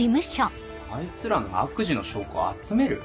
あいつらの悪事の証拠を集める？